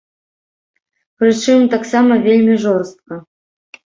Прычым, таксама вельмі жорстка.